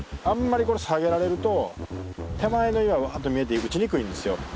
あんまりこれ下げられると手前の岩わっと見えて打ちにくいんですよ